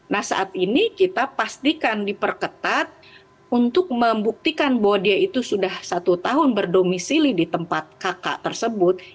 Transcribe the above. nah saat ini kita pastikan diperketat untuk membuktikan bahwa dia itu sudah satu tahun berdomisili di tempat kakak tersebut